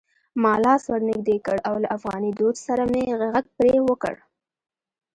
ما لاس ور نږدې کړ او له افغاني دود سره مې غږ پرې وکړ: